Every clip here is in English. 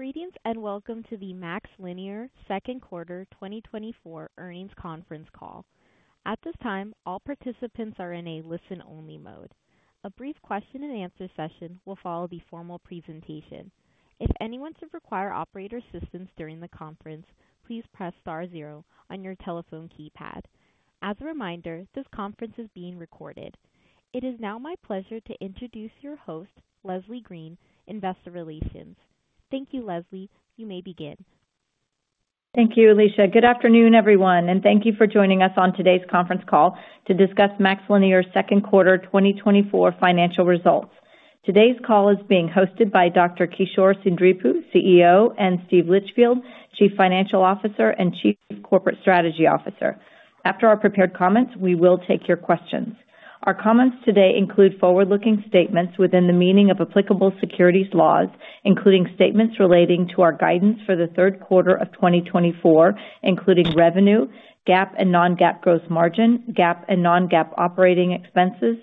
Greetings, and welcome to the MaxLinear Second Quarter 2024 Earnings Conference Call. At this time, all participants are in a listen-only mode. A brief question and answer session will follow the formal presentation. If anyone should require operator assistance during the conference, please press star zero on your telephone keypad. As a reminder, this conference is being recorded. It is now my pleasure to introduce your host, Leslie Green, Investor Relations. Thank you, Leslie. You may begin. Thank you, Alicia. Good afternoon, everyone, and thank you for joining us on today's conference call to discuss MaxLinear's second quarter 2024 financial results. Today's call is being hosted by Dr. Kishore Seendripu, CEO, and Steve Litchfield, Chief Financial Officer and Chief Corporate Strategy Officer. After our prepared comments, we will take your questions. Our comments today include forward-looking statements within the meaning of applicable securities laws, including statements relating to our guidance for the third quarter of 2024, including revenue, GAAP and non-GAAP gross margin, GAAP and non-GAAP operating expenses,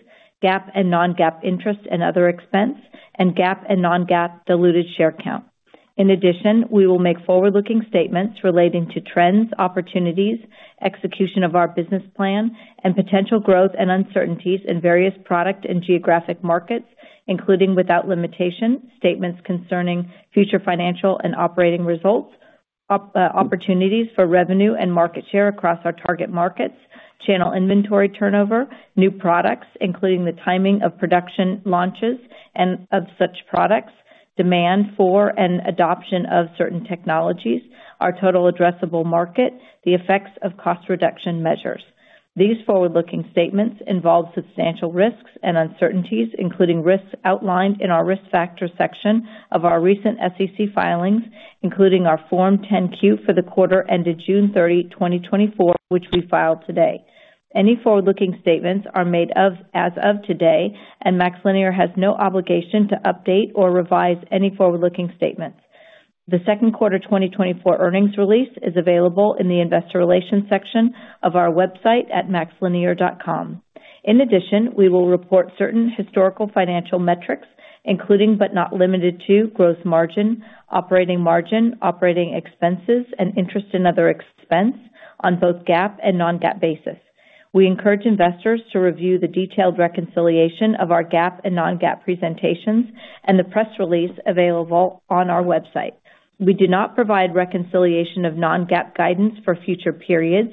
GAAP and non-GAAP interest and other expense, and GAAP and non-GAAP diluted share count. In addition, we will make forward-looking statements relating to trends, opportunities, execution of our business plan, and potential growth and uncertainties in various product and geographic markets, including, without limitation, statements concerning future financial and operating results, opportunities for revenue and market share across our target markets, channel inventory turnover, new products, including the timing of production launches and of such products, demand for and adoption of certain technologies, our total addressable market, the effects of cost reduction measures. These forward-looking statements involve substantial risks and uncertainties, including risks outlined in our Risk Factors section of our recent SEC filings, including our Form 10-Q for the quarter ended June 30th, 2024, which we filed today. Any forward-looking statements are made as of today, and MaxLinear has no obligation to update or revise any forward-looking statements. The second quarter 2024 earnings release is available in the Investor Relations section of our website at maxlinear.com. In addition, we will report certain historical financial metrics, including, but not limited to, gross margin, operating margin, operating expenses, and interest and other expense on both GAAP and non-GAAP bases. We encourage investors to review the detailed reconciliation of our GAAP and non-GAAP presentations and the press release available on our website. We do not provide reconciliation of non-GAAP guidance for future periods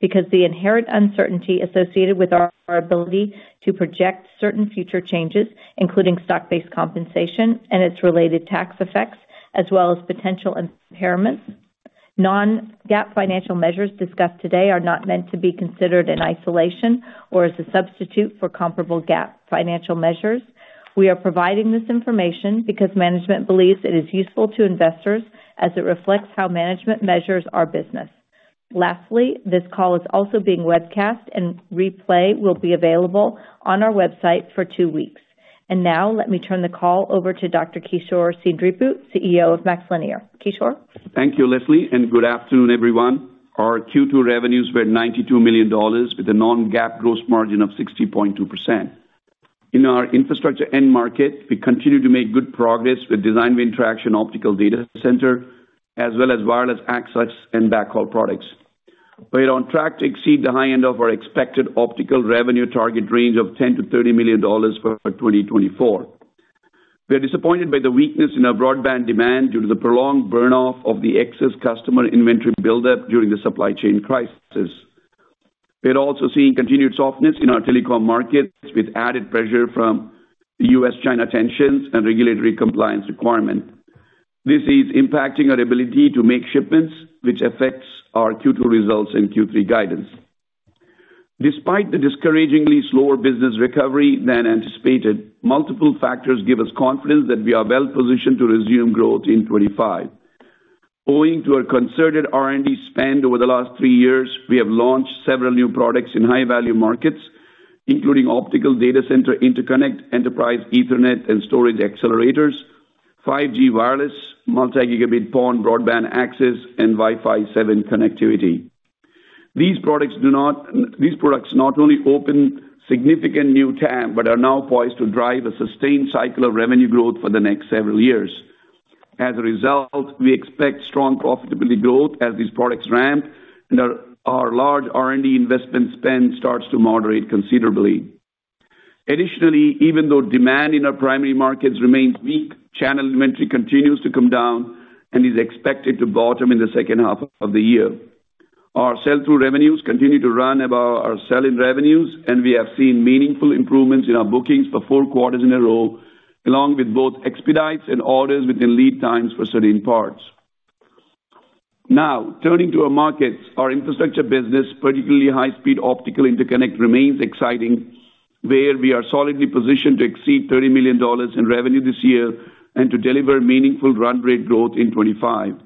because the inherent uncertainty associated with our ability to project certain future changes, including stock-based compensation and its related tax effects, as well as potential impairments. Non-GAAP financial measures discussed today are not meant to be considered in isolation or as a substitute for comparable GAAP financial measures. We are providing this information because management believes it is useful to investors as it reflects how management measures our business. Lastly, this call is also being webcast and replay will be available on our website for two weeks. Now, let me turn the call over to Dr. Kishore Seendripu, CEO of MaxLinear. Kishore? Thank you, Leslie, and good afternoon, everyone. Our Q2 revenues were $92 million, with a non-GAAP gross margin of 60.2%. In our infrastructure end market, we continue to make good progress with design win traction, optical data center, as well as wireless access and backhaul products. We are on track to exceed the high end of our expected optical revenue target range of $10 million-$30 million for 2024. We are disappointed by the weakness in our broadband demand due to the prolonged burn-off of the excess customer inventory buildup during the supply chain crisis. We are also seeing continued softness in our telecom markets, with added pressure from the US-China tensions and regulatory compliance requirement. This is impacting our ability to make shipments, which affects our Q2 results and Q3 guidance. Despite the discouragingly slower business recovery than anticipated, multiple factors give us confidence that we are well positioned to resume growth in 2025. Owing to a concerted R&D spend over the last 3 years, we have launched several new products in high-value markets, including optical data center, interconnect, enterprise Ethernet, and storage accelerators, 5G wireless, multi-gigabit PON broadband access, and Wi-Fi 7 connectivity. These products not only open significant new TAM, but are now poised to drive a sustained cycle of revenue growth for the next several years. As a result, we expect strong profitability growth as these products ramp and our large R&D investment spend starts to moderate considerably. Additionally, even though demand in our primary markets remains weak, channel inventory continues to come down and is expected to bottom in the second half of the year. Our sell-through revenues continue to run about our sell-in revenues, and we have seen meaningful improvements in our bookings for four quarters in a row, along with both expedites and orders within lead times for certain parts. Now, turning to our markets, our infrastructure business, particularly high-speed optical interconnect, remains exciting, where we are solidly positioned to exceed $30 million in revenue this year and to deliver meaningful run rate growth in 2025.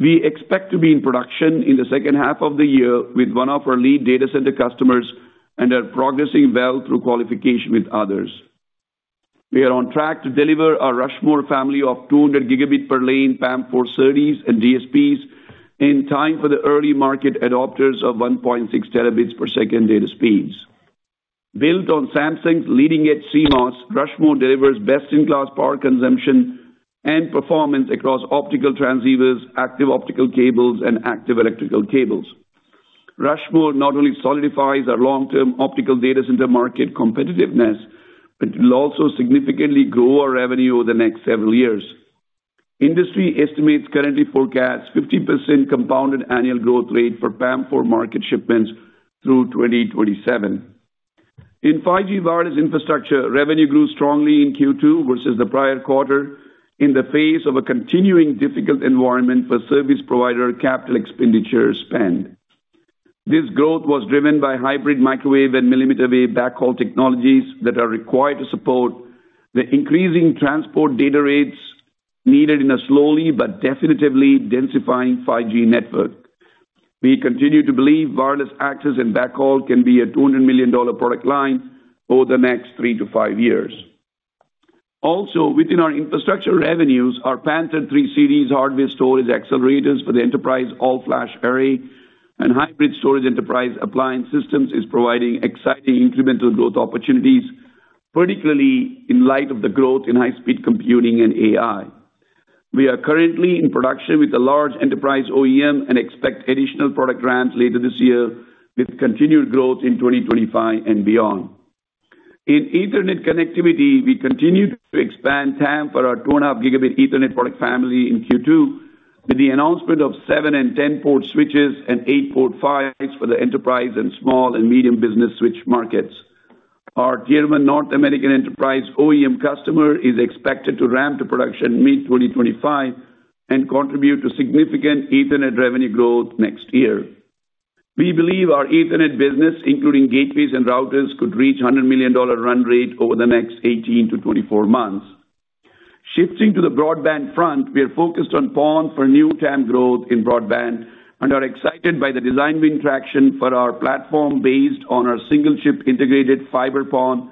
We expect to be in production in the second half of the year with one of our lead data center customers and are progressing well through qualification with others. We are on track to deliver our Rushmore family of 200 Gb per lane PAM4 SerDes and DSPs in time for the early market adopters of 1.6 terabits per second data speeds. Built on Samsung's leading-edge CMOS, Rushmore delivers best-in-class power consumption and performance across optical transceivers, active optical cables, and active electrical cables. Rushmore not only solidifies our long-term optical data center market competitiveness, but it will also significantly grow our revenue over the next several years. Industry estimates currently forecast 50% compounded annual growth rate for PAM4 market shipments through 2027. In 5G wireless infrastructure, revenue grew strongly in Q2 versus the prior quarter, in the face of a continuing difficult environment for service provider capital expenditure spend. This growth was driven by hybrid microwave and millimeter wave backhaul technologies that are required to support the increasing transport data rates needed in a slowly but definitively densifying 5G network. We continue to believe wireless access and backhaul can be a $200 million product line over the next three to five years. Also, within our infrastructure revenues, our Panther III series hardware storage accelerators for the enterprise all-flash array and hybrid storage enterprise appliance systems is providing exciting incremental growth opportunities, particularly in light of the growth in high-speed computing and AI. We are currently in production with a large enterprise OEM and expect additional product ramps later this year, with continued growth in 2025 and beyond. In Ethernet connectivity, we continued to expand TAM for our 2.5 Gb Ethernet product family in Q2, with the announcement of 7- and 10-port switches and 8-port PHYs for the enterprise and small and medium business switch markets. Our Tier 1 North American enterprise OEM customer is expected to ramp to production mid-2025 and contribute to significant Ethernet revenue growth next year. We believe our Ethernet business, including gateways and routers, could reach a $100 million run rate over the next 18-24 months. Shifting to the broadband front, we are focused on PON for new TAM growth in broadband and are excited by the design win traction for our platform based on our single-chip integrated fiber PON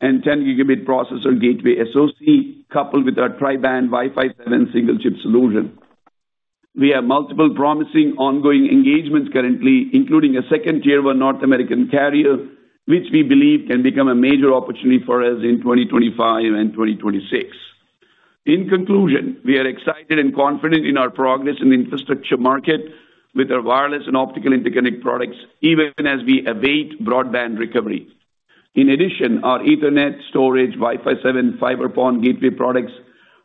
and 10 Gb processor gateway SoC, coupled with our tri-band Wi-Fi 7 single-chip solution. We have multiple promising ongoing engagements currently, including a second Tier 1. In addition, our Ethernet storage, Wi-Fi 7, fiber PON gateway products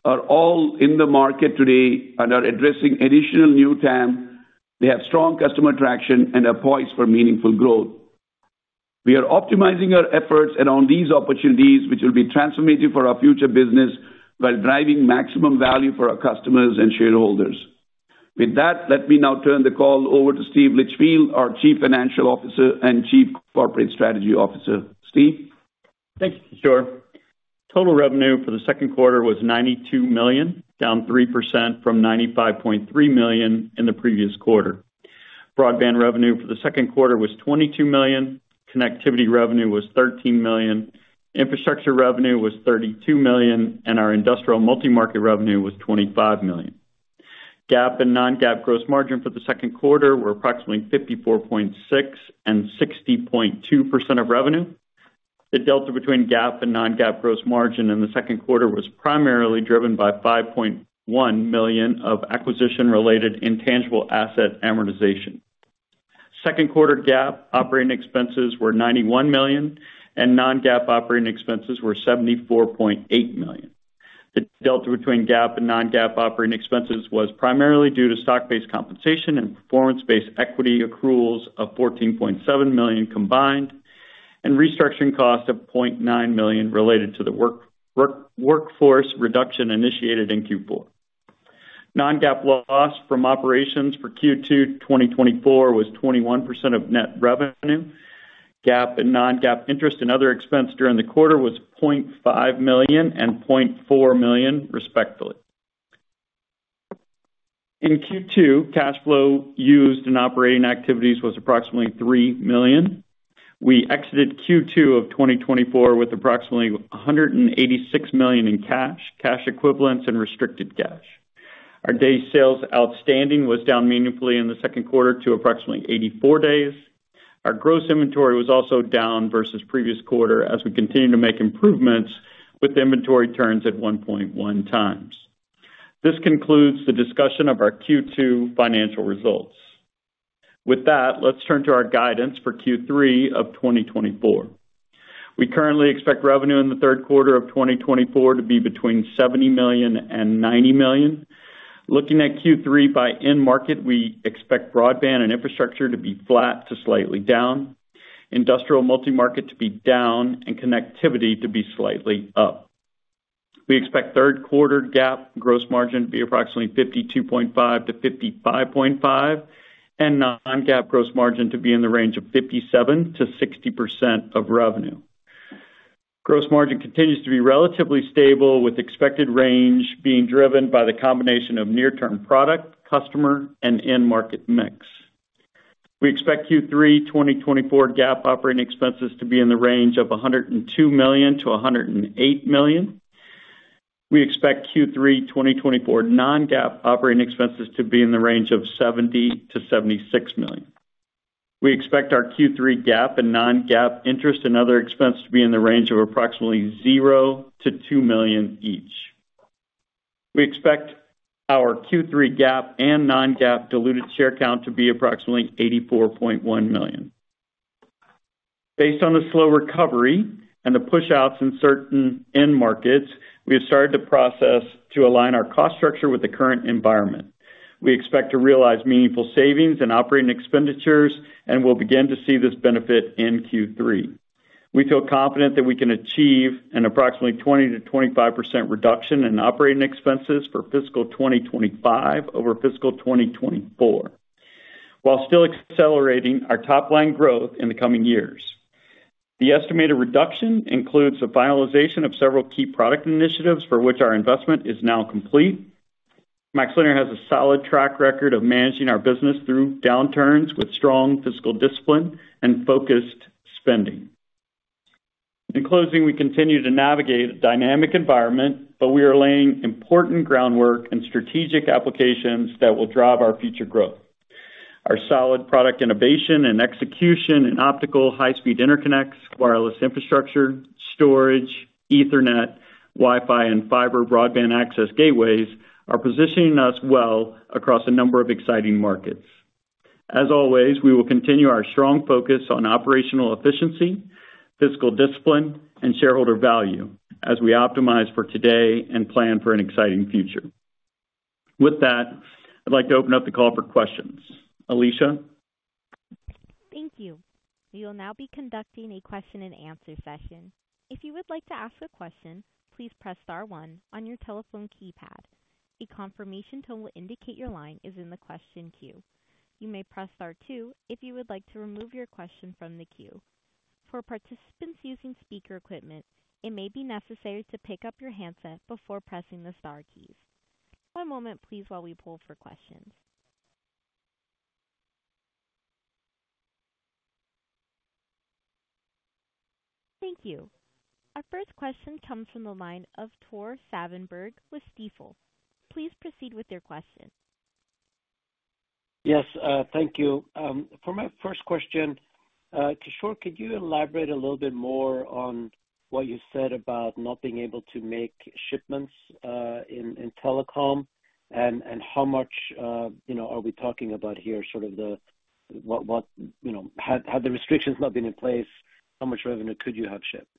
are all in the market today and are addressing additional new TAM. They have strong customer traction and are poised for meaningful growth. We are optimizing our efforts around these opportunities, which will be transformative for our future business, while driving maximum value for our customers and shareholders. With that, let me now turn the call over to Steve Litchfield, our Chief Financial Officer and Chief Corporate Strategy Officer. Steve? Thank you, Kishore. Total revenue for the second quarter was $92 million, down 3% from $95.3 million in the previous quarter. Broadband revenue for the second quarter was $22 million, connectivity revenue was $13 million, infrastructure revenue was $32 million, and our industrial multimarket revenue was $25 million. GAAP and non-GAAP gross margin for the second quarter were approximately 54.6% and 60.2% of revenue. The delta between GAAP and non-GAAP gross margin in the second quarter was primarily driven by $5.1 million of acquisition-related intangible asset amortization. Second quarter GAAP operating expenses were $91 million, and non-GAAP operating expenses were $74.8 million. The delta between GAAP and non-GAAP operating expenses was primarily due to stock-based compensation and performance-based equity accruals of $14.7 million combined, and restructuring costs of $0.9 million related to the workforce reduction initiated in Q4. Non-GAAP loss from operations for Q2 2024 was 21% of net revenue. GAAP and non-GAAP interest and other expense during the quarter was $0.5 million and $0.4 million, respectively. In Q2, cash flow used in operating activities was approximately $3 million. We exited Q2 of 2024 with approximately $186 million in cash, cash equivalents, and restricted cash. Our days sales outstanding was down meaningfully in the second quarter to approximately 84 days. Our gross inventory was also down versus previous quarter as we continue to make improvements, with inventory turns at 1.1 times. This concludes the discussion of our Q2 financial results. With that, let's turn to our guidance for Q3 of 2024. We currently expect revenue in the third quarter of 2024 to be between $70 million and $90 million. Looking at Q3 by end market, we expect broadband and infrastructure to be flat to slightly down, industrial multimarket to be down, and connectivity to be slightly up. We expect third quarter GAAP gross margin to be approximately 52.5%-55.5%, and non-GAAP gross margin to be in the range of 57%-60% of revenue. Gross margin continues to be relatively stable, with expected range being driven by the combination of near-term product, customer, and end market mix. We expect Q3 2024 GAAP operating expenses to be in the range of $102 million-$108 million. We expect Q3 2024 non-GAAP operating expenses to be in the range of $70-$76 million. We expect our Q3 GAAP and non-GAAP interest and other expenses to be in the range of approximately $0-$2 million each. We expect our Q3 GAAP and non-GAAP diluted share count to be approximately 84.1 million. Based on the slow recovery and the pushouts in certain end markets, we have started the process to align our cost structure with the current environment. We expect to realize meaningful savings in operating expenditures, and we'll begin to see this benefit in Q3. We feel confident that we can achieve an approximately 20%-25% reduction in operating expenses for fiscal 2025 over fiscal 2024, while still accelerating our top line growth in the coming years. The estimated reduction includes the finalization of several key product initiatives for which our investment is now complete. MaxLinear has a solid track record of managing our business through downturns with strong fiscal discipline and focused spending. In closing, we continue to navigate a dynamic environment, but we are laying important groundwork and strategic applications that will drive our future growth. Our solid product innovation and execution in optical, high-speed interconnects, wireless infrastructure, storage, Ethernet, Wi-Fi, and fiber broadband access gateways are positioning us well across a number of exciting markets. As always, we will continue our strong focus on operational efficiency, fiscal discipline, and shareholder value as we optimize for today and plan for an exciting future. With that, I'd like to open up the call for questions. Alicia? Thank you. We will now be conducting a question-and-answer session. If you would like to ask a question, please press star one on your telephone keypad. A confirmation tone will indicate your line is in the question queue. You may press star two if you would like to remove your question from the queue. For participants using speaker equipment, it may be necessary to pick up your handset before pressing the star keys. One moment, please, while we poll for questions. Thank you. Our first question comes from the line of Tore Svanberg with Stifel. Please proceed with your question. Yes, thank you. For my first question, Kishore, could you elaborate a little bit more on what you said about not being able to make shipments in telecom? And how much, you know, are we talking about here, you know, had the restrictions not been in place, how much revenue could you have shipped?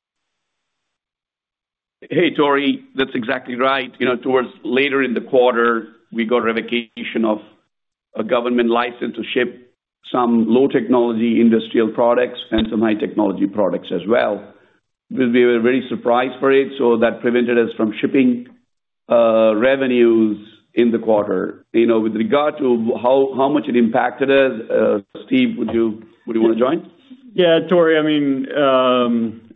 Hey, Tore, that's exactly right. You know, towards later in the quarter, we got revocation of a government license to ship some low-technology industrial products and some high-technology products as well. We were very surprised for it, so that prevented us from shipping revenues in the quarter. You know, with regard to how much it impacted us, Steve, would you want to join? Yeah, Tore, I mean,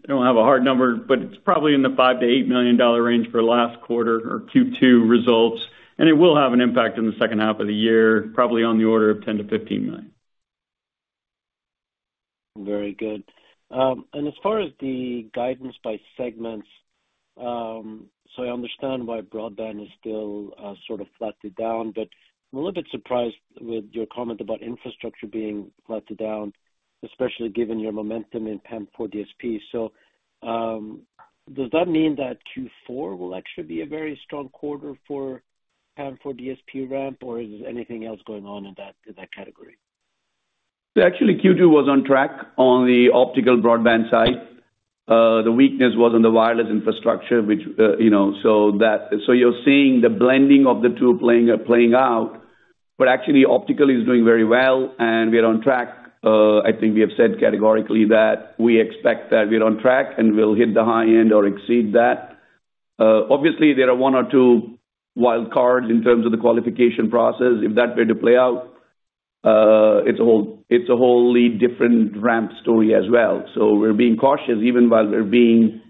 I don't have a hard number, but it's probably in the $5 million-$8 million range for last quarter or Q2 results, and it will have an impact on the second half of the year, probably on the order of $10-$15 million. Very good. And as far as the guidance by segments, so I understand why broadband is still sort of flattened down, but I'm a little bit surprised with your comment about infrastructure being flattened down, especially given your momentum in PAM4 DSP. So, does that mean that Q4 will actually be a very strong quarter for PAM4 DSP ramp, or is there anything else going on in that category? Actually, Q2 was on track on the optical broadband side. The weakness was on the wireless infrastructure, which, you know, so you're seeing the blending of the two playing out, but actually optical is doing very well, and we are on track. I think we have said categorically that we expect that we are on track, and we'll hit the high end or exceed that. Obviously, there are one or two wild cards in terms of the qualification process. If that were to play out, it's a wholly different ramp story as well. So we're being cautious, even while we're being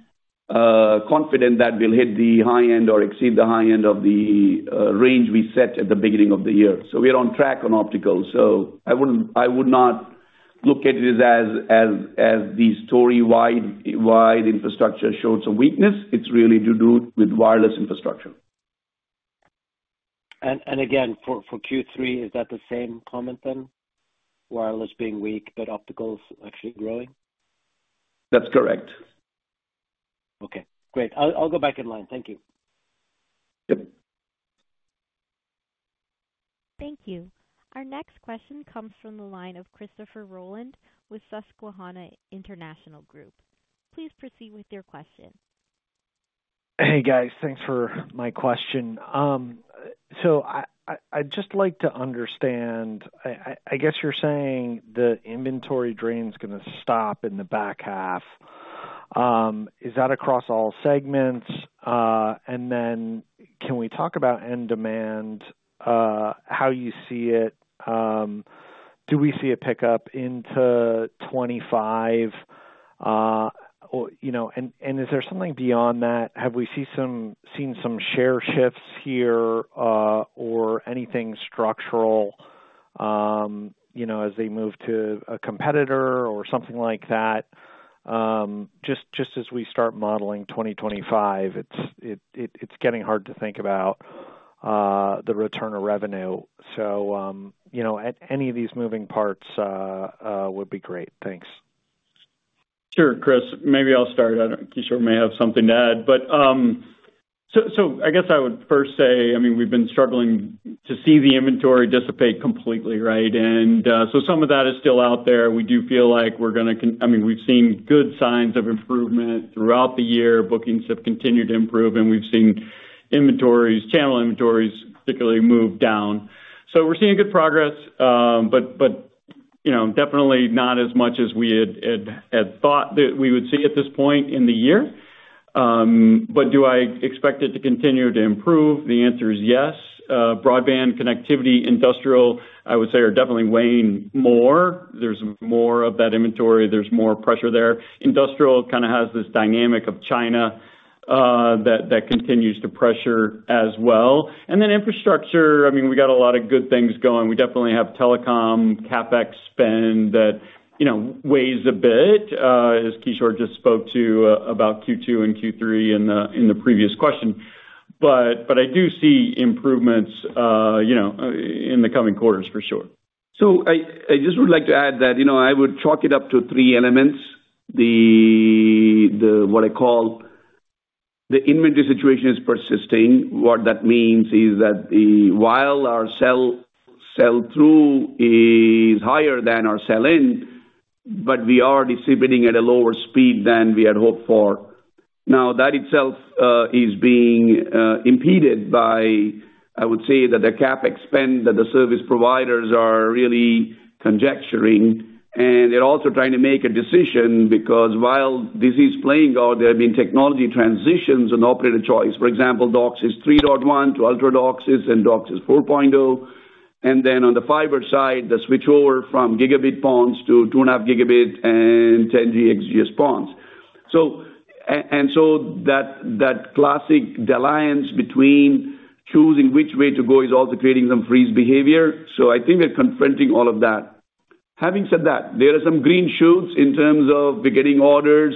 confident that we'll hit the high end or exceed the high end of the range we set at the beginning of the year. So we're on track on optical. So I would not look at it as the story-wide infrastructure shows a weakness. It's really to do with wireless infrastructure. And again, for Q3, is that the same comment then? Wireless being weak, but optical is actually growing. That's correct. Okay, great. I'll, I'll go back in line. Thank you. Yep. Thank you. Our next question comes from the line of Christopher Rolland with Susquehanna International Group. Please proceed with your question. Hey, guys. Thanks for my question. So I'd just like to understand. I guess you're saying the inventory drain is gonna stop in the back half. Is that across all segments? And then can we talk about end demand, how you see it? Do we see a pickup into 2025? Or, you know, and is there something beyond that? Have we seen some share shifts here, or anything structural? You know, as they move to a competitor or something like that, just as we start modeling 2025, it's getting hard to think about the return of revenue. So, you know, at any of these moving parts, would be great. Thanks. Sure, Chris, maybe I'll start. I don't—Kishore may have something to add. But, so, so I guess I would first say, I mean, we've been struggling to see the inventory dissipate completely, right? And, so some of that is still out there. We do feel like we're gonna—I mean, we've seen good signs of improvement throughout the year. Bookings have continued to improve, and we've seen inventories, channel inventories, particularly move down. So we're seeing good progress, but, you know, definitely not as much as we had thought that we would see at this point in the year. But do I expect it to continue to improve? The answer is yes. Broadband connectivity, industrial, I would say, are definitely weighing more. There's more of that inventory. There's more pressure there. Industrial kind of has this dynamic of China that continues to pressure as well. And then infrastructure, I mean, we got a lot of good things going. We definitely have telecom CapEx spend that, you know, weighs a bit, as Kishore just spoke to about Q2 and Q3 in the previous question. But I do see improvements, you know, in the coming quarters, for sure. So I just would like to add that, you know, I would chalk it up to three elements. The, what I call the inventory situation, is persisting. What that means is that the, while our sell-through is higher than our sell-in, but we are dissipating at a lower speed than we had hoped for. Now, that itself is being impeded by, I would say, that the CapEx spend, that the service providers are really conjecturing, and they're also trying to make a decision because while this is playing out, there have been technology transitions and operator choice. For example, DOCSIS 3.1 to Ultra DOCSIS and DOCSIS 4.0. And then on the fiber side, the switchover from Gigabit PONs to 2.5 Gb and 10G XGS-PONs. So that, that classic alliance between choosing which way to go is also creating some freeze behavior. So I think we're confronting all of that. Having said that, there are some green shoots in terms of we're getting orders,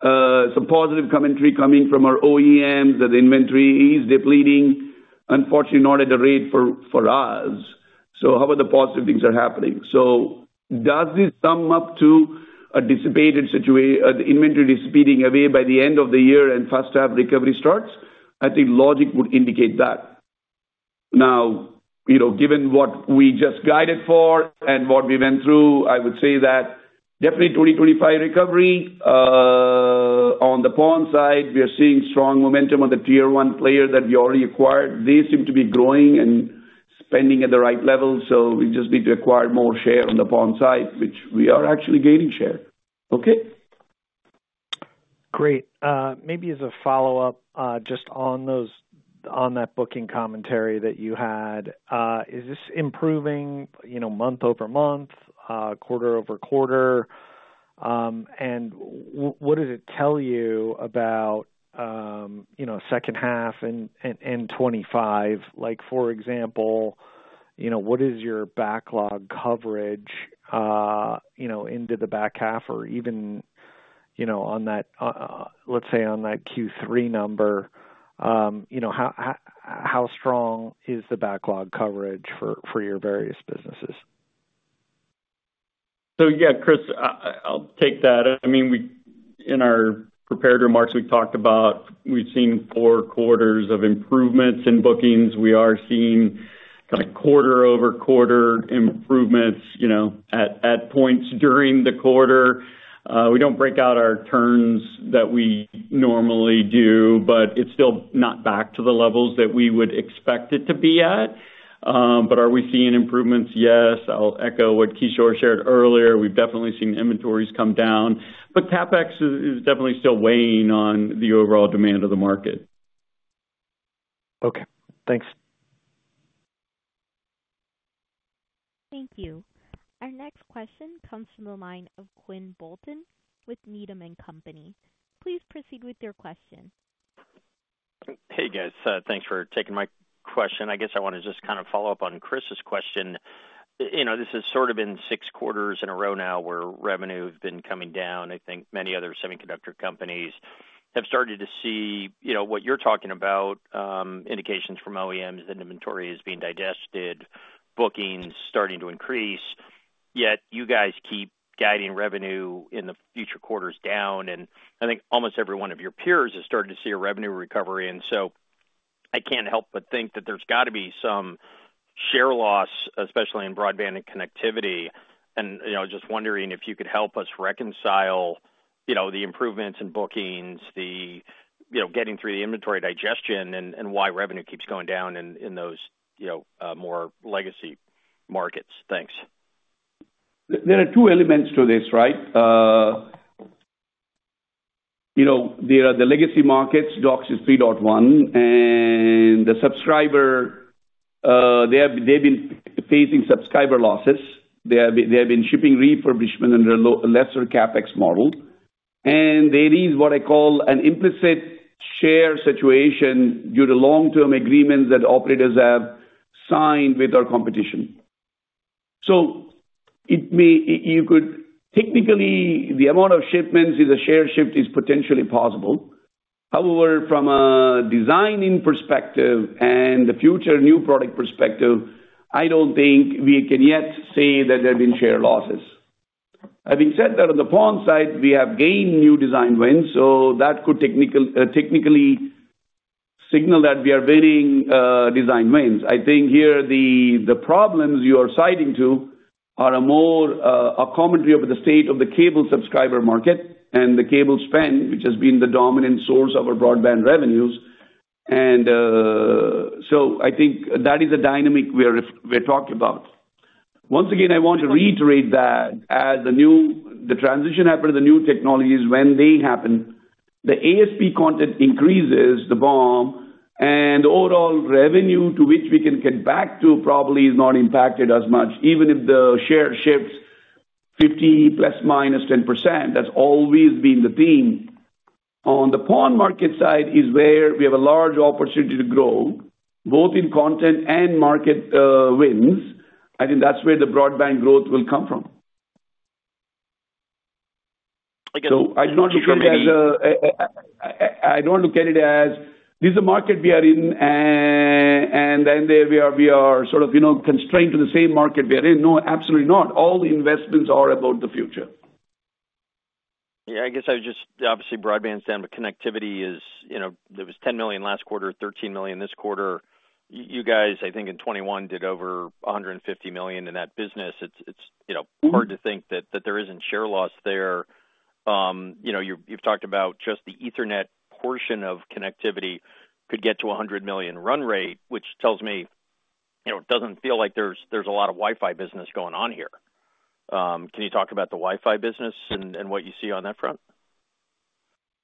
some positive commentary coming from our OEMs, that inventory is depleting, unfortunately, not at the rate for us. So however, the positive things are happening. So does this sum up to the inventory dissipating away by the end of the year and first half recovery starts? I think logic would indicate that. Now, you know, given what we just guided for and what we went through, I would say that definitely 2025 recovery. On the PON side, we are seeing strong momentum on the Tier 1 player that we already acquired. They seem to be growing and spending at the right level, so we just need to acquire more share on the PON side, which we are actually gaining share. Okay? Great. Maybe as a follow-up, just on those, on that booking commentary that you had, is this improving, you know, month-over-month, quarter-over-quarter? And what does it tell you about, you know, second half and 25? Like, for example, you know, what is your backlog coverage, you know, into the back half or even, you know, on that, let's say, on that Q3 number, you know, how strong is the backlog coverage for your various businesses? So yeah, Chris, I, I'll take that. I mean, we, in our prepared remarks, we talked about, we've seen four quarters of improvements in bookings. We are seeing kind of quarter-over-quarter improvements, you know, at points during the quarter. We don't break out our turns that we normally do, but it's still not back to the levels that we would expect it to be at. But are we seeing improvements? Yes. I'll echo what Kishore shared earlier. We've definitely seen inventories come down, but CapEx is definitely still weighing on the overall demand of the market. Okay, thanks. Thank you. Our next question comes from the line of Quinn Bolton with Needham & Company. Please proceed with your question. Hey, guys, thanks for taking my question. I guess I want to just kind of follow up on Chris's question. You know, this has sort of been six quarters in a row now where revenue has been coming down. I think many other semiconductor companies have started to see, you know, what you're talking about, indications from OEMs, and inventory is being digested, bookings starting to increase, yet you guys keep guiding revenue in the future quarters down. And I think almost every one of your peers is starting to see a revenue recovery. And so I can't help but think that there's got to be some share loss, especially in broadband and connectivity. And, you know, just wondering if you could help us reconcile, you know, the improvements in bookings, the, you know, getting through the inventory digestion and, and why revenue keeps going down in, in those, you know, more legacy markets? Thanks. There are two elements to this, right? You know, there are the legacy markets, DOCSIS 3.1, and the subscriber, they have. They've been facing subscriber losses. They have been, they have been shipping refurbishment under a lesser CapEx model, and there is what I call an implicit share situation due to long-term agreements that operators have signed with our competition. So it may, you could, technically, the amount of shipments is a share shift is potentially possible. However, from a designing perspective and the future new product perspective, I don't think we can yet say that there have been share losses. Having said that, on the PON side, we have gained new design wins, so that could technically signal that we are winning design wins. I think here, the problems you are citing to are more of a commentary over the state of the cable subscriber market and the cable spend, which has been the dominant source of our broadband revenues. So I think that is a dynamic we're talking about. Once again, I want to reiterate that as the transition happen to the new technologies, when they happen, the ASP content increases the BOM, and overall revenue, to which we can get back to, probably is not impacted as much, even if the share shifts 50 ± 10%, that's always been the theme. On the PON market side is where we have a large opportunity to grow, both in content and market wins. I think that's where the broadband growth will come from. Again- So I don't look at it as this is a market we are in, and then there we are, we are sort of, you know, constrained to the same market we are in. No, absolutely not. All the investments are about the future. Yeah, I guess I was just obviously broadband spend, but connectivity is, you know, there was $10 million last quarter, $13 million this quarter. You guys, I think, in 2021, did over $150 million in that business. It's, it's, you know. Mm-hmm Hard to think that there isn't share loss there. You know, you've talked about just the Ethernet portion of connectivity could get to a $100 million run rate, which tells me, you know, it doesn't feel like there's a lot of Wi-Fi business going on here. Can you talk about the Wi-Fi business and what you see on that front?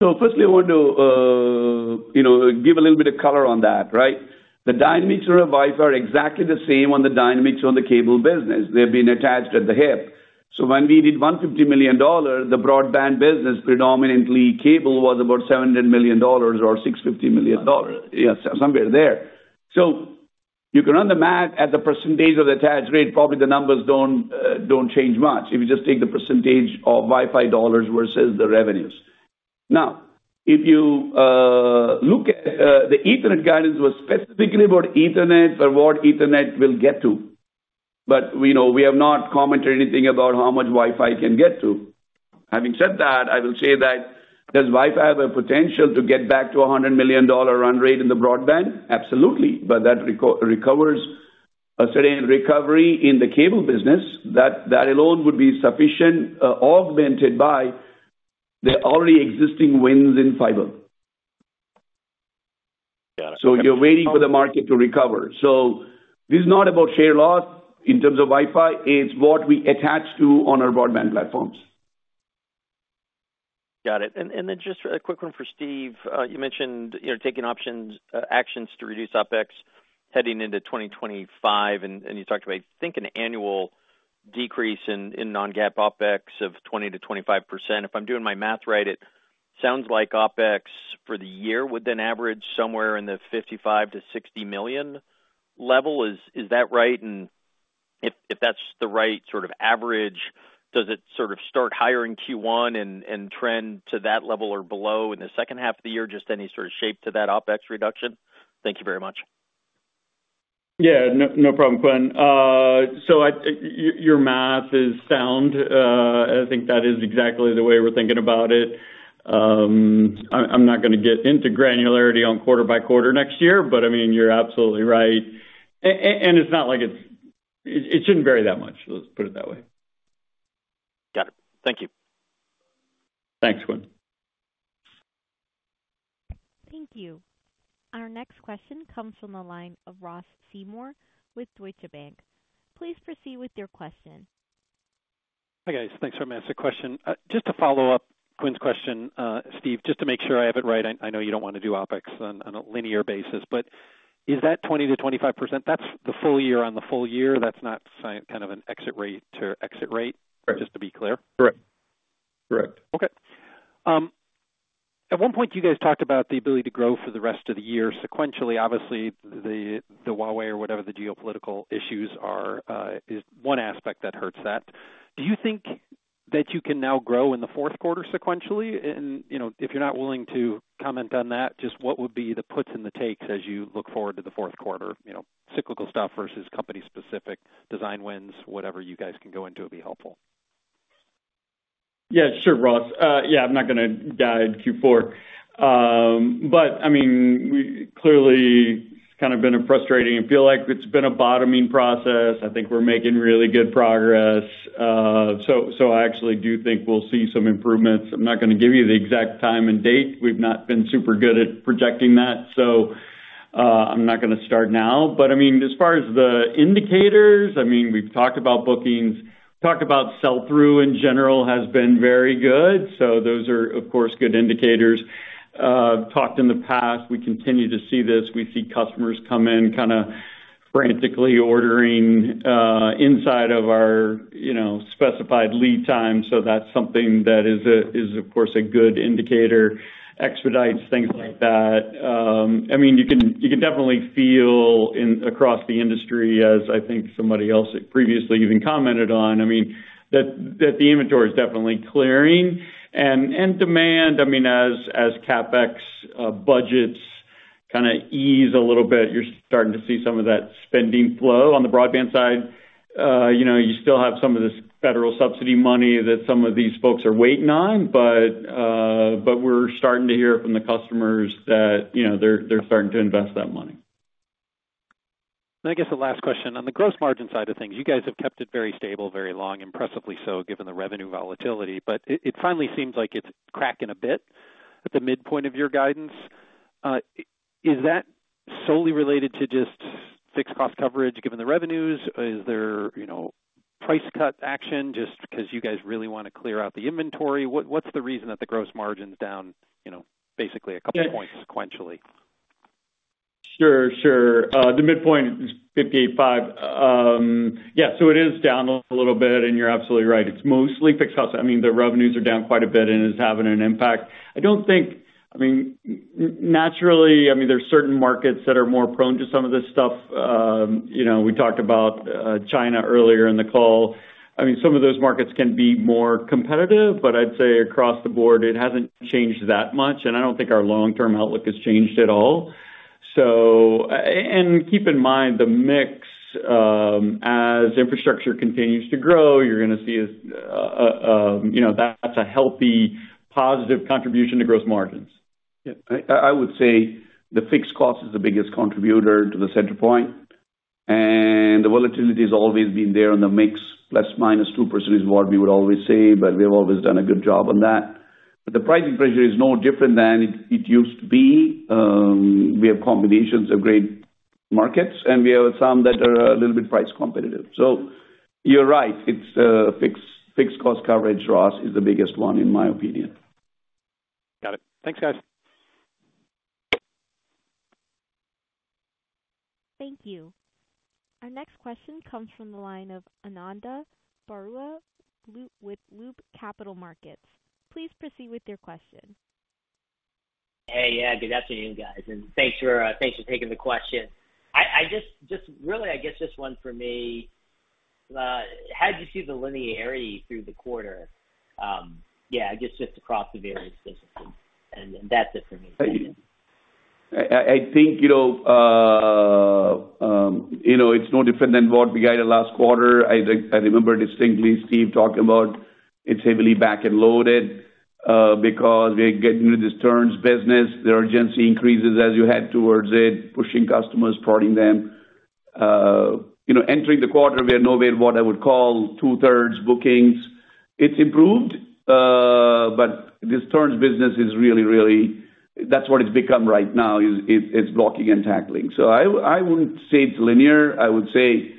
So firstly, I want to, you know, give a little bit of color on that, right? The dynamics of Wi-Fi are exactly the same as the dynamics of the cable business. They've been attached at the hip. So when we did $150 million, the broadband business, predominantly cable, was about $700 million or $650 million. Somewhere. Yeah, somewhere there. So you can run the math at the percentage of the attached rate, probably the numbers don't change much, if you just take the percentage of Wi-Fi dollars versus the revenues. Now, if you look at the Ethernet guidance was specifically about Ethernet and what Ethernet will get to, but we know, we have not commented anything about how much Wi-Fi can get to. Having said that, I will say that, does Wi-Fi have a potential to get back to a $100 million run rate in the broadband? Absolutely. But that recovers a certain recovery in the cable business, that alone would be sufficient, augmented by the already existing wins in fiber. Got it. You're waiting for the market to recover. This is not about share loss in terms of Wi-Fi, it's what we attach to on our broadband platforms. Got it. And then just a quick one for Steve. You mentioned, you know, taking options actions to reduce OpEx heading into 2025, and you talked about, I think, an annual decrease in non-GAAP OpEx of 20%-25%. If I'm doing my math right, it sounds like OpEx for the year would then average somewhere in the $55 million-$60 million level. Is that right? And if that's the right sort of average, does it sort of start higher in Q1 and trend to that level or below in the second half of the year? Just any sort of shape to that OpEx reduction. Thank you very much. Yeah. No, no problem, Quinn. So your math is sound. I think that is exactly the way we're thinking about it. I'm not gonna get into granularity on quarter by quarter next year, but, I mean, you're absolutely right. And it's not like it's... It shouldn't vary that much, let's put it that way. Got it. Thank you. Thanks, Quinn. Thank you. Our next question comes from the line of Ross Seymore with Deutsche Bank. Please proceed with your question. Hi, guys. Thanks very much. So question, just to follow up Quinn's question, Steve, just to make sure I have it right, I know you don't want to do OpEx on a linear basis, but is that 20%-25%, that's the full year on the full year? That's not kind of an exit rate to exit rate- Correct. Just to be clear? Correct. Correct. Okay. At one point, you guys talked about the ability to grow for the rest of the year sequentially. Obviously, the, the Huawei or whatever the geopolitical issues are, is one aspect that hurts that. Do you think that you can now grow in the fourth quarter sequentially? And, you know, if you're not willing to comment on that, just what would be the puts and the takes as you look forward to the fourth quarter, you know, cyclical stuff versus company-specific design wins, whatever you guys can go into, it'd be helpful. Yeah, sure, Ross. Yeah, I'm not gonna guide Q4. But I mean, we clearly, it's kind of been a frustrating, it feel like it's been a bottoming process. I think we're making really good progress. So, I actually do think we'll see some improvements. I'm not gonna give you the exact time and date. We've not been super good at projecting that, so, I'm not gonna start now. But I mean, as far as the indicators, I mean, we've talked about bookings, talked about sell-through in general has been very good, so those are, of course, good indicators. Talked in the past, we continue to see this. We see customers come in kinda frantically ordering, inside of our, you know, specified lead time, so that's something that is a, is of course, a good indicator, expedites, things like that. I mean, you can, you can definitely feel in, across the industry, as I think somebody else previously even commented on, I mean, that, that the inventory is definitely clearing. And, and demand, I mean, as, as CapEx, budgets kind of ease a little bit, you're starting to see some of that spending flow. On the broadband side, you know, you still have some of this federal subsidy money that some of these folks are waiting on, but, but we're starting to hear from the customers that, you know, they're, they're starting to invest that money. I guess the last question: on the gross margin side of things, you guys have kept it very stable, very long, impressively so, given the revenue volatility, but it finally seems like it's cracking a bit at the midpoint of your guidance. Is that solely related to just fixed cost coverage, given the revenues? Is there, you know, price cut action just because you guys really want to clear out the inventory? What's the reason that the gross margin's down, you know, basically a couple points sequentially? Sure, sure. The midpoint is 58.5. Yeah, so it is down a little bit, and you're absolutely right. It's mostly fixed costs. I mean, the revenues are down quite a bit, and it's having an impact. I don't think... I mean, naturally, I mean, there are certain markets that are more prone to some of this stuff. You know, we talked about China earlier in the call. I mean, some of those markets can be more competitive, but I'd say across the board, it hasn't changed that much, and I don't think our long-term outlook has changed at all. So and keep in mind the mix, as infrastructure continues to grow, you're going to see, you know, that's a healthy, positive contribution to gross margins. Yeah, I would say the fixed cost is the biggest contributor to the center point, and the volatility has always been there on the mix, ±2% is what we would always say, but we've always done a good job on that. But the pricing pressure is no different than it used to be. We have combinations of great markets, and we have some that are a little bit price competitive. So you're right, it's fixed cost coverage, Ross, is the biggest one, in my opinion. Got it. Thanks, guys. Thank you. Our next question comes from the line of Ananda Baruah, Loop- with Loop Capital Markets. Please proceed with your question. Hey, yeah, good afternoon, guys, and thanks for taking the question. I just really, I guess, just one for me. How'd you see the linearity through the quarter? Yeah, I guess just across the various systems, and that's it for me. I think, you know, you know, it's no different than what we guided last quarter. I think I remember distinctly Steve talking about it's heavily back and loaded, because we're getting into this turns business. The urgency increases as you head towards it, pushing customers, prodding them. You know, entering the quarter, we are nowhere what I would call two-thirds bookings. It's improved, but this turns business is really, really... That's what it's become right now, is it's blocking and tackling. So I wouldn't say it's linear. I would say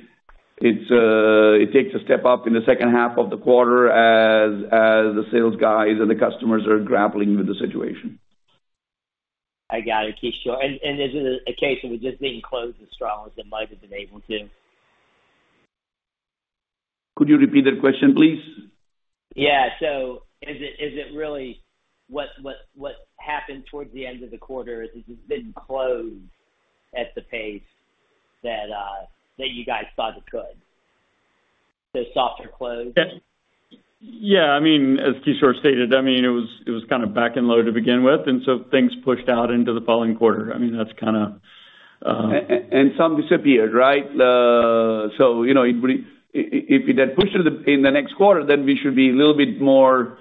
it's, it takes a step up in the second half of the quarter as the sales guys and the customers are grappling with the situation. I got it, Kishore. And, is it a case of it just being closed as strong as it might have been able to? Could you repeat that question, please? Yeah. So is it really what happened towards the end of the quarter? Is this been closed at the pace that you guys thought it could? So softer close. Yeah. I mean, as Kishore stated, I mean, it was kind of back-loaded to begin with, and so things pushed out into the following quarter. I mean, that's kind of. And some disappeared, right? So, you know, it would if it had pushed to the in the next quarter, then we should be a little bit more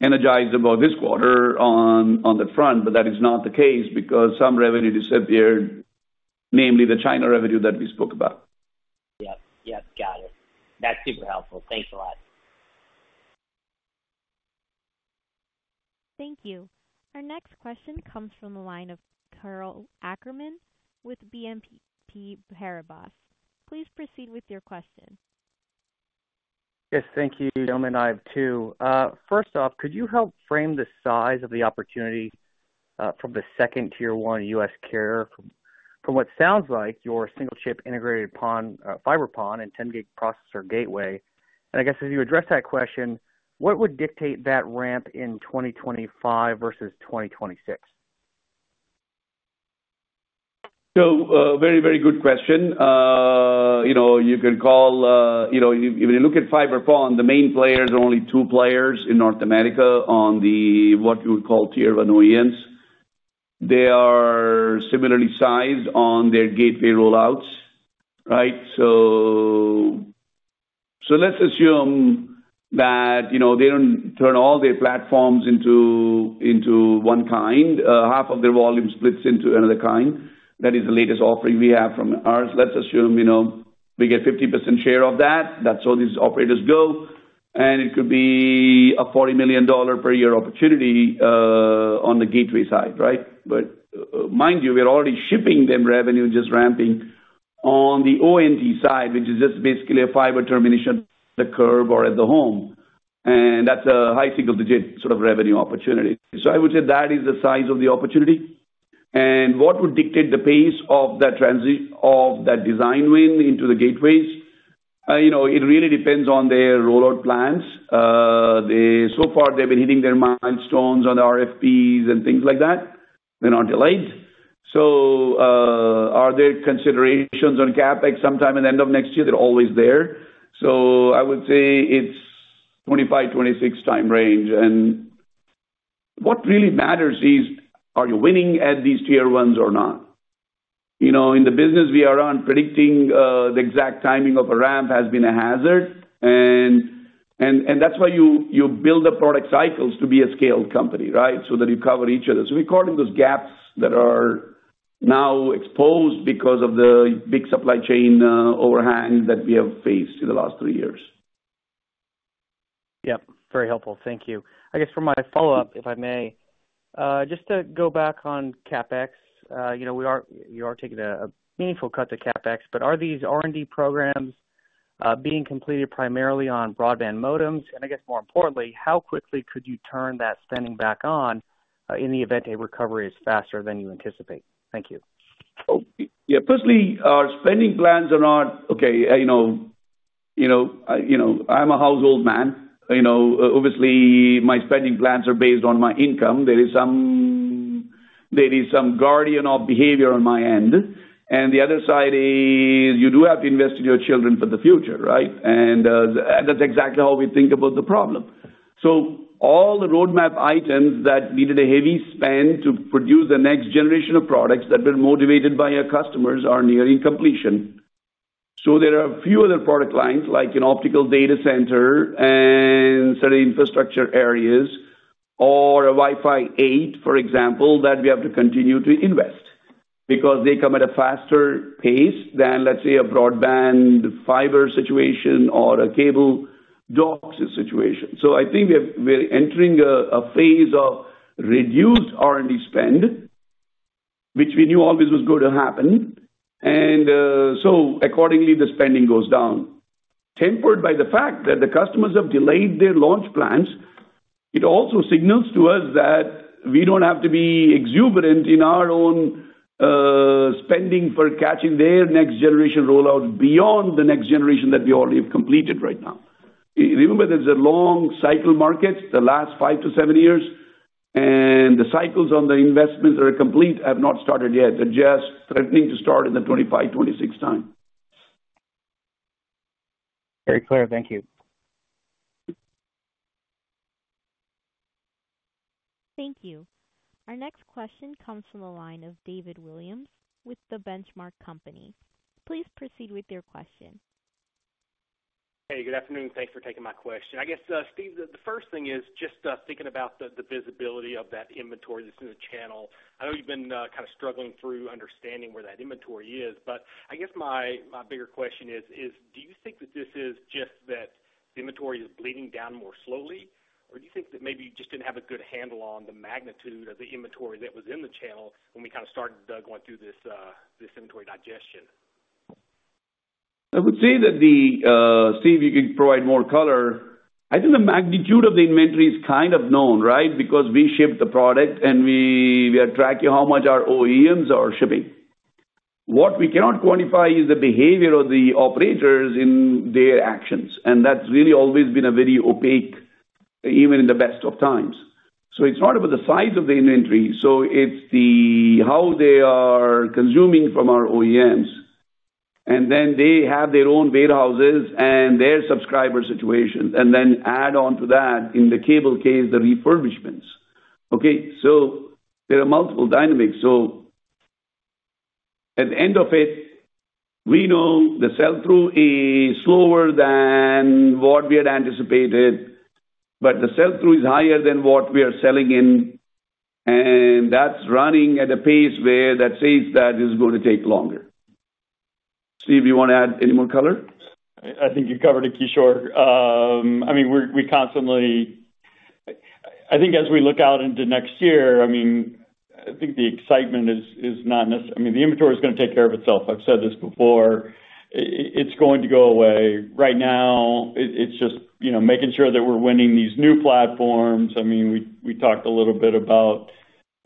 energized about this quarter on the front, but that is not the case because some revenue disappeared, namely the China revenue that we spoke about. Yep. Yep, got it. That's super helpful. Thanks a lot. Thank you. Our next question comes from the line of Karl Ackerman with BNP Paribas. Please proceed with your question. Yes, thank you. I have two. First off, could you help frame the size of the opportunity, from the second Tier 1 U.S. carrier from, from what sounds like your single-chip integrated PON, fiber PON and 10G processor gateway? And I guess as you address that question, what would dictate that ramp in 2025 versus 2026? So, very, very good question. You know, you can call, you know, if you look at fiber PON, the main players are only two players in North America on the, what you would call Tier 1 OEMs. They are similarly sized on their gateway rollouts, right? So, so let's assume that, you know, they don't turn all their platforms into, into one kind, half of their volume splits into another kind. That is the latest offering we have from ours. Let's assume, you know, we get 50% share of that. That's all these operators go, and it could be a $40 million per year opportunity, on the gateway side, right? But mind you, we are already shipping them revenue, just ramping on the ONT side, which is just basically a fiber termination, the curb or at the home.... That's a high single digit sort of revenue opportunity. I would say that is the size of the opportunity. What would dictate the pace of that transition of that design win into the gateways? You know, it really depends on their rollout plans. They so far, they've been hitting their milestones on RFPs and things like that. They're not delayed. So, are there considerations on CapEx sometime in the end of next year? They're always there. So I would say it's 25, 26 time range. What really matters is, are you winning at these tier ones or not? You know, in the business we are on, predicting the exact timing of a ramp has been a hazard, and that's why you build the product cycles to be a scaled company, right? So that you cover each other. We're covering those gaps that are now exposed because of the big supply chain overhang that we have faced in the last three years. Yep, very helpful. Thank you. I guess for my follow-up, if I may, just to go back on CapEx, you know, you are taking a meaningful cut to CapEx, but are these R&D programs being completed primarily on broadband modems? And I guess more importantly, how quickly could you turn that spending back on in the event a recovery is faster than you anticipate? Thank you. Oh, yeah. Firstly, our spending plans are not - okay, you know, you know, I, you know, I'm a household man. You know, obviously, my spending plans are based on my income. There is some, there is some guardian of behavior on my end, and the other side is you do have to invest in your children for the future, right? And that's exactly how we think about the problem. So all the roadmap items that needed a heavy spend to produce the next generation of products that were motivated by our customers are nearing completion. So there are a few other product lines, like an optical data center and certain infrastructure areas, or a Wi-Fi 8, for example, that we have to continue to invest because they come at a faster pace than, let's say, a broadband fiber situation or a cable DOCSIS situation. So I think we have-- we're entering a, a phase of reduced R&D spend, which we knew always was going to happen, and, so accordingly, the spending goes down. Tempered by the fact that the customers have delayed their launch plans, it also signals to us that we don't have to be exuberant in our own, spending for catching their next generation rollout beyond the next generation that we already have completed right now. Remember, there's a long cycle market, the last 5 to 7 years, and the cycles on the investments are complete, have not started yet. They're just threatening to start in the 2025, 2026 time. Very clear. Thank you. Thank you. Our next question comes from the line of David Williams with The Benchmark Company. Please proceed with your question. Hey, good afternoon. Thanks for taking my question. I guess, Steve, the first thing is just thinking about the visibility of that inventory that's in the channel. I know you've been kind of struggling through understanding where that inventory is, but I guess my bigger question is, do you think that this is just that the inventory is bleeding down more slowly, or do you think that maybe you just didn't have a good handle on the magnitude of the inventory that was in the channel when we kind of started going through this inventory digestion? I would say that Steve, you can provide more color. I think the magnitude of the inventory is kind of known, right? Because we ship the product, and we are tracking how much our OEMs are shipping. What we cannot quantify is the behavior of the operators in their actions, and that's really always been a very opaque, even in the best of times. So it's not about the size of the inventory, so it's the how they are consuming from our OEMs, and then they have their own warehouses and their subscriber situation, and then add on to that, in the cable case, the refurbishments. Okay, so there are multiple dynamics. At the end of it, we know the sell-through is slower than what we had anticipated, but the sell-through is higher than what we are selling in, and that's running at a pace where that says that it's going to take longer. Steve, you want to add any more color? I think you covered it, Kishore. I mean, we're constantly, I think as we look out into next year, I mean, I think the excitement is not necessarily... I mean, the inventory is going to take care of itself. I've said this before, it's going to go away. Right now, it's just, you know, making sure that we're winning these new platforms. I mean, we talked a little bit about,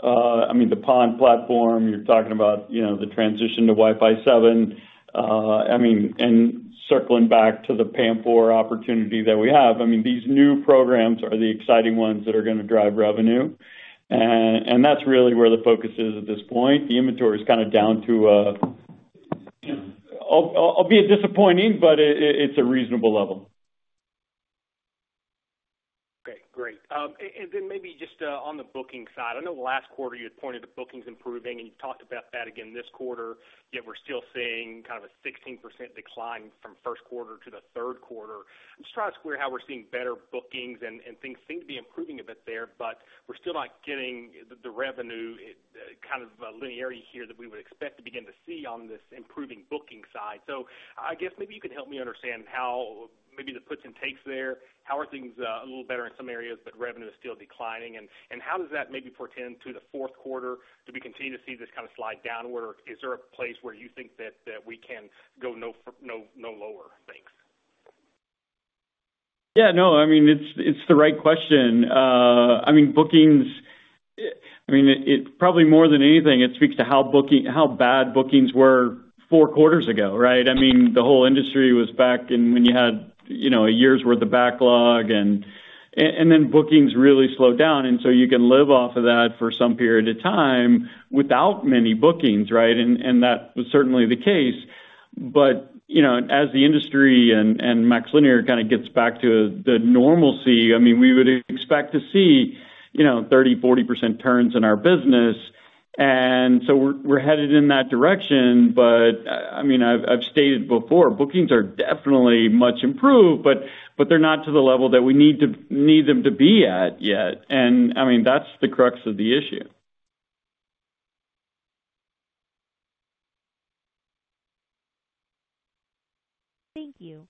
I mean, the PON platform. You're talking about, you know, the transition to Wi-Fi 7. I mean, and circling back to the PAM4 opportunity that we have, I mean, these new programs are the exciting ones that are going to drive revenue, and that's really where the focus is at this point. The inventory is kind of down to, albeit disappointing, but it's a reasonable level. Okay, great. And then maybe just on the booking side. I know last quarter you had pointed to bookings improving, and you've talked about that again this quarter, yet we're still seeing kind of a 16% decline from first quarter to the third quarter. I'm just trying to square how we're seeing better bookings and things seem to be improving a bit there, but we're still not getting the revenue kind of linearity here that we would expect to begin to see on this improving booking side. So I guess maybe you can help me understand how maybe the puts and takes there, how are things a little better in some areas, but revenue is still declining? And how does that maybe portend to the fourth quarter? Do we continue to see this kind of slide down, or is there a place where you think that we can go no lower? Thanks.... Yeah, no, I mean, it's, it's the right question. I mean, bookings, I mean, it, it probably more than anything, it speaks to how bookings, how bad bookings were four quarters ago, right? I mean, the whole industry was back in when you had, you know, a year's worth of backlog and, and, and then bookings really slowed down, and so you can live off of that for some period of time without many bookings, right? And, and that was certainly the case. But, you know, as the industry and, and MaxLinear kind of gets back to the normalcy, I mean, we would expect to see, you know, 30%-40% turns in our business. And so we're, we're headed in that direction. But, I mean, I've stated before, bookings are definitely much improved, but they're not to the level that we need them to be at yet. I mean, that's the crux of the issue. Thank you.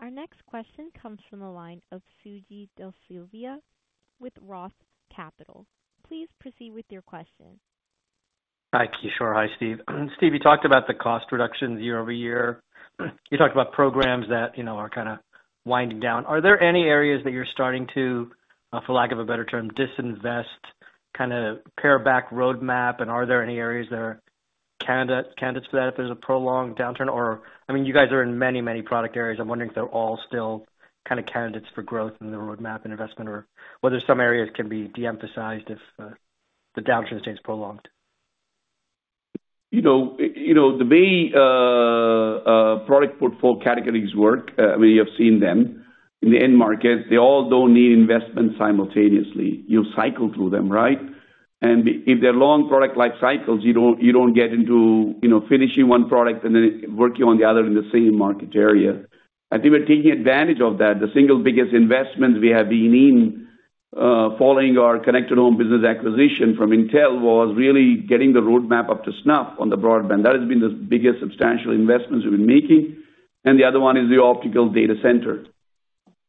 Our next question comes from the line of Suji DeSilva with ROTH Capital. Please proceed with your question. Hi, Kishore. Hi, Steve. Steve, you talked about the cost reductions year over year. You talked about programs that, you know, are kind of winding down. Are there any areas that you're starting to, for lack of a better term, disinvest, kind of pare back roadmap? And are there any areas that are candidate, candidates for that if there's a prolonged downturn? Or, I mean, you guys are in many, many product areas. I'm wondering if they're all still kind of candidates for growth in the roadmap and investment, or whether some areas can be de-emphasized if the downturn stays prolonged. You know, you know, the way product portfolio categories work, we have seen them in the end market. They all don't need investment simultaneously. You cycle through them, right? And if they're long product life cycles, you don't get into, you know, finishing one product and then working on the other in the same market area. I think we're taking advantage of that. The single biggest investment we have been in, following our Connected Home business acquisition from Intel, was really getting the roadmap up to snuff on the broadband. That has been the biggest substantial investments we've been making, and the other one is the optical data center.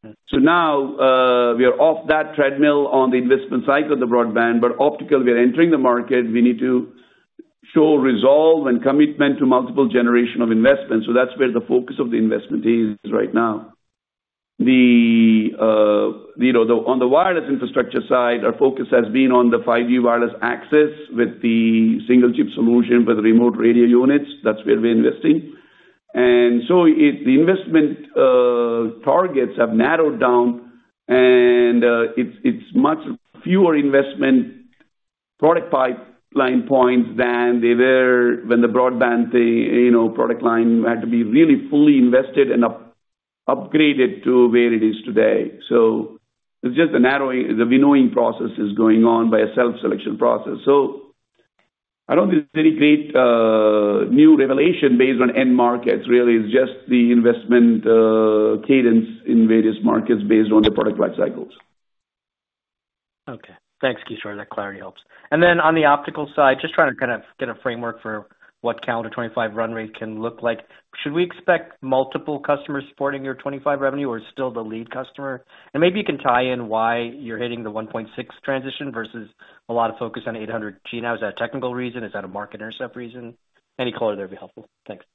Okay. So now, we are off that treadmill on the investment cycle of the broadband, but optical, we are entering the market. We need to show resolve and commitment to multiple generation of investment, so that's where the focus of the investment is right now. The, you know, on the wireless infrastructure side, our focus has been on the 5G wireless access with the single chip solution with remote radio units. That's where we're investing. And so it. The investment targets have narrowed down, and, it's much fewer investment product pipeline points than they were when the broadband thing, you know, product line had to be really fully invested and upgraded to where it is today. So it's just a narrowing, the winnowing process is going on by a self-selection process. So I don't think there's any great new revelation based on end markets, really. It's just the investment cadence in various markets based on the product life cycles. Okay. Thanks, Kishore. That clarity helps. And then on the optical side, just trying to kind of get a framework for what calendar 2025 run rate can look like. Should we expect multiple customers supporting your 2025 revenue, or still the lead customer? And maybe you can tie in why you're hitting the 1.6 transition versus a lot of focus on 800G. Now, is that a technical reason? Is that a market intercept reason? Any color there would be helpful. Thanks.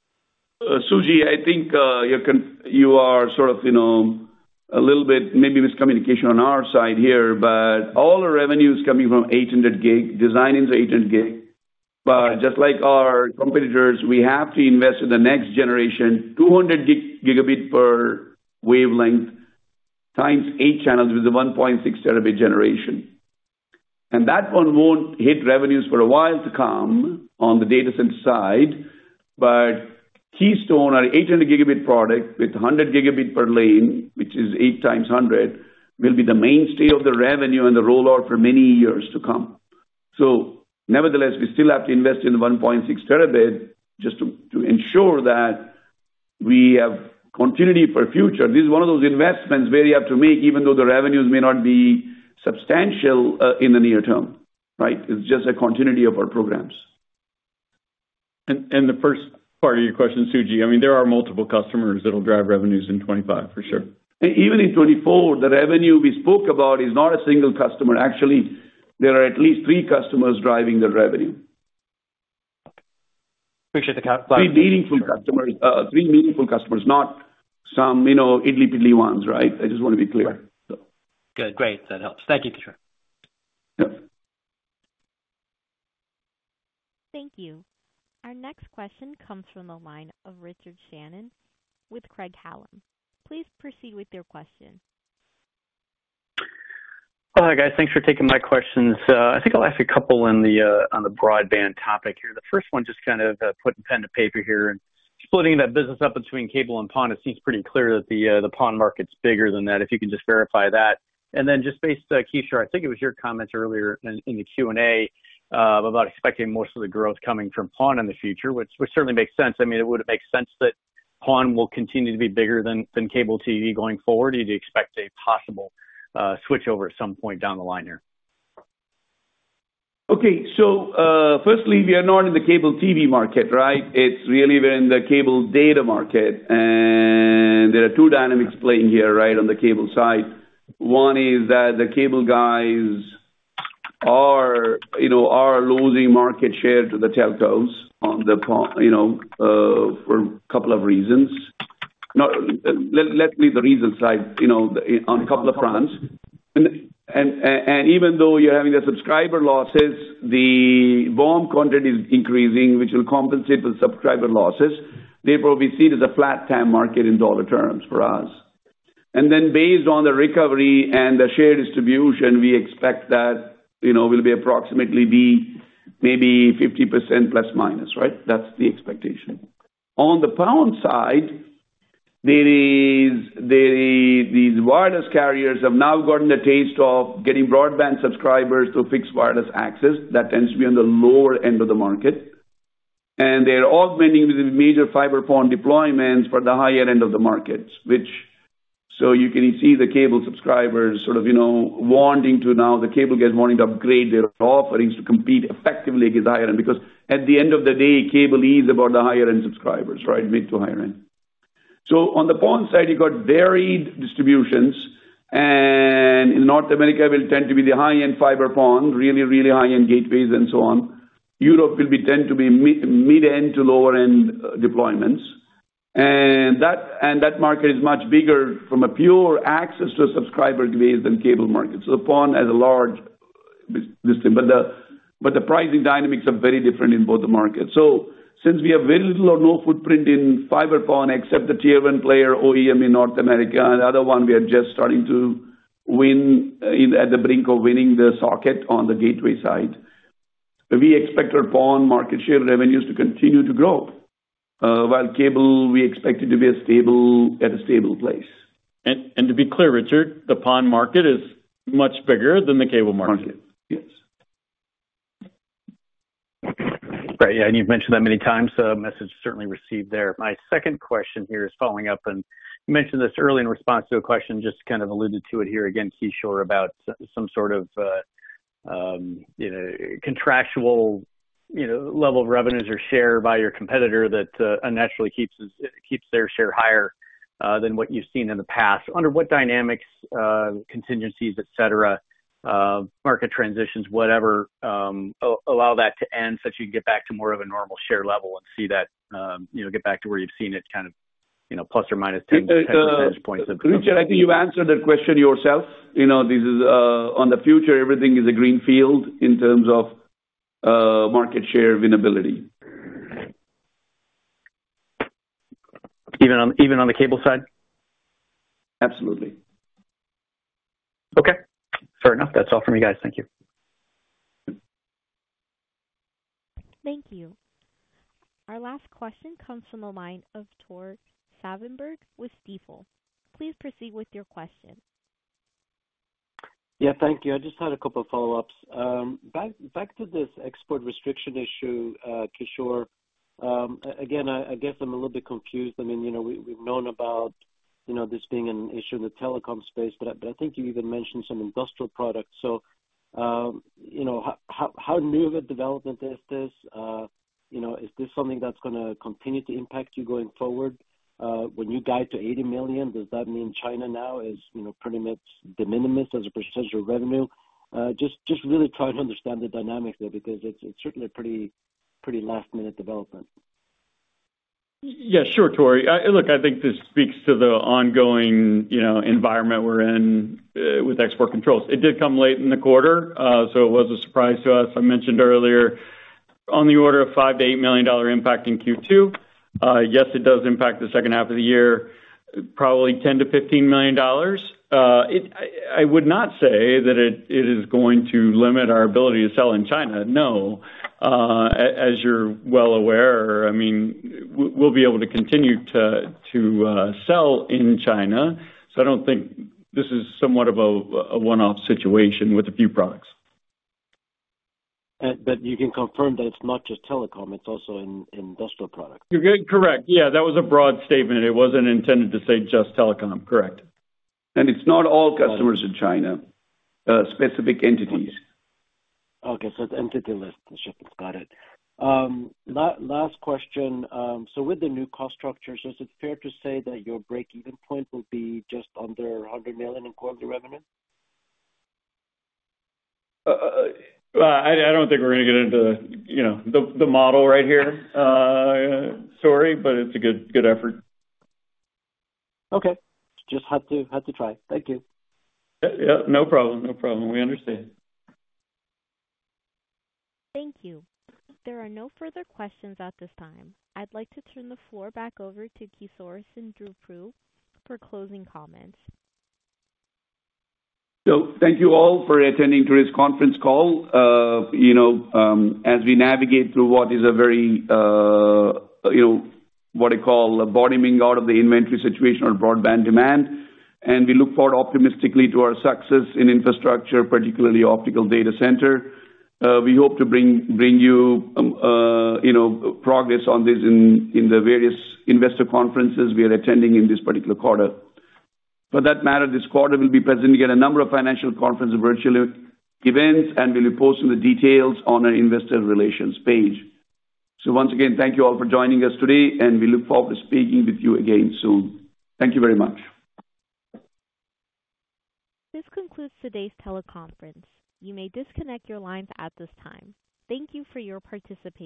Suji, I think, you can... You are sort of, you know, a little bit maybe miscommunication on our side here, but all the revenue is coming from 800G, designing the 800G. But just like our competitors, we have to invest in the next generation, 200 Gb per wavelength, times eight channels with a 1.6 terabit generation. And that one won't hit revenues for a while to come on the data center side. But Keystone, our 800 Gb product, with 100 Gb per lane, which is eight times hundred, will be the mainstay of the revenue and the rollout for many years to come. So nevertheless, we still have to invest in 1.6 terabit just to ensure that we have continuity for future. This is one of those investments where you have to make, even though the revenues may not be substantial, in the near term, right? It's just a continuity of our programs. And the first part of your question, Suji, I mean, there are multiple customers that will drive revenues in 2025, for sure. Even in 2024, the revenue we spoke about is not a single customer. Actually, there are at least three customers driving the revenue. Appreciate the clarity. Three meaningful customers. Three meaningful customers, not some, you know, idly piddly ones, right? I just want to be clear. Good. Great, that helps. Thank you, Kishore. Yes. Thank you. Our next question comes from the line of Richard Shannon with Craig-Hallum. Please proceed with your question. Hi, guys. Thanks for taking my questions. I think I'll ask a couple in the, on the broadband topic here. The first one, just kind of, putting pen to paper here and splitting that business up between cable and PON, it seems pretty clear that the PON market's bigger than that, if you can just verify that. And then just based, Kishore, I think it was your comment earlier in the Q&A, about expecting most of the growth coming from PON in the future, which certainly makes sense. I mean, it would make sense that PON will continue to be bigger than cable TV going forward, or do you expect a possible switchover at some point down the line here? Okay. So, firstly, we are not in the cable TV market, right? It's really, we're in the cable data market, and there are two dynamics playing here, right, on the cable side. One is that the cable guys are, you know, are losing market share to the telcos on the PON, you know, for a couple of reasons. Now, let me the reasons, like, you know, on a couple of fronts. And even though you're having the subscriber losses, the BOM content is increasing, which will compensate the subscriber losses. They probably see it as a flat TAM market in dollar terms for us. And then based on the recovery and the share distribution, we expect that, you know, we'll be approximately maybe ±50%, right? That's the expectation. On the PON side, there is, these wireless carriers have now gotten a taste of getting broadband subscribers to fixed wireless access that tends to be on the lower end of the market, and they're augmenting with major fiber PON deployments for the higher end of the markets. Which so you can see the cable subscribers sort of, you know, wanting to now - the cable guys wanting to upgrade their offerings to compete effectively against higher end, because at the end of the day, cable is about the higher end subscribers, right, mid to higher end. So on the PON side, you got varied distributions, and in North America will tend to be the high-end fiber PON, really, really high-end gateways and so on. Europe will be tend to be mid, mid-end to lower-end deployments. That market is much bigger from a pure access to a subscriber base than cable market. So PON has a large system, but the pricing dynamics are very different in both the markets. So since we have very little or no footprint in fiber PON except the Tier 1 player OEM in North America, and the other one, we are just starting to win, on the brink of winning the socket on the gateway side. We expect our PON market share revenues to continue to grow, while cable, we expect it to be a stable, at a stable place. And to be clear, Richard, the PON market is much bigger than the cable market? Yes. Right. Yeah, and you've mentioned that many times, so message certainly received there. My second question here is following up, and you mentioned this earlier in response to a question, just to kind of alluded to it here again, Kishore, about some sort of, you know, contractual, you know, level of revenues or share by your competitor that, naturally keeps their share higher, than what you've seen in the past. Under what dynamics, contingencies, et cetera, market transitions, whatever, allow that to end, such you can get back to more of a normal share level and see that, you know, get back to where you've seen it, kind of, you know, ±10 percentage points- Richard, I think you've answered the question yourself. You know, this is on the future, everything is a greenfield in terms of market share winnability. Even on the cable side? Absolutely. Okay, fair enough. That's all from me, guys. Thank you. Thank you. Our last question comes from the line of Tore Svanberg with Stifel. Please proceed with your question. Yeah, thank you. I just had a couple of follow-ups. Back to this export restriction issue, Kishore. Again, I guess I'm a little bit confused. I mean, you know, we've known about, you know, this being an issue in the telecom space, but I think you even mentioned some industrial products. So, you know, how new of a development is this? You know, is this something that's gonna continue to impact you going forward? When you guide to $80 million, does that mean China now is, you know, pretty much de minimis as a percentage of revenue? Just really trying to understand the dynamics there, because it's certainly a pretty last-minute development. Yeah, sure, Tore. Look, I think this speaks to the ongoing, you know, environment we're in, with export controls. It did come late in the quarter, so it was a surprise to us. I mentioned earlier on the order of $5-$8 million impact in Q2. Yes, it does impact the second half of the year, probably $10-$15 million. It... I would not say that it is going to limit our ability to sell in China. No. As you're well aware, I mean, we'll be able to continue to sell in China, so I don't think this is somewhat of a one-off situation with a few products. But you can confirm that it's not just telecom, it's also an industrial product? Correct. Yeah, that was a broad statement. It wasn't intended to say just telecom. Correct. It's not all customers in China, specific entities. Okay, so it's Entity List. Got it. Last question. So with the new cost structure, so is it fair to say that your break-even point will be just under $100 million in quarterly revenue? Well, I don't think we're gonna get into, you know, the model right here. Sorry, but it's a good, good effort. Okay. Just had to, had to try. Thank you. Yeah, yeah, no problem. No problem. We understand. Thank you. There are no further questions at this time. I'd like to turn the floor back over to Kishore Seendripu for closing comments. So thank you all for attending today's conference call. You know, as we navigate through what is a very, you know, what I call a bottoming out of the inventory situation or broadband demand, and we look forward optimistically to our success in infrastructure, particularly optical data center. We hope to bring, bring you, you know, progress on this in the various investor conferences we are attending in this particular quarter. For that matter, this quarter, we'll be presenting at a number of financial conference and virtual events, and we'll be posting the details on our investor relations page. So once again, thank you all for joining us today, and we look forward to speaking with you again soon. Thank you very much. This concludes today's teleconference. You may disconnect your lines at this time. Thank you for your participation.